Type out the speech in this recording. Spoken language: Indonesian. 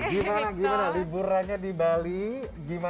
berlibur di bali buat lisa